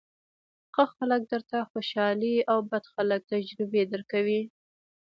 ښه خلک درته خوشالۍ او بد خلک تجربې درکوي.